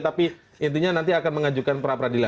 tapi intinya nanti akan mengajukan perapradilan